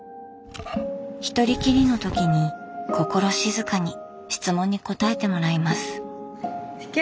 ひとりきりのときに心静かに質問に答えてもらいます。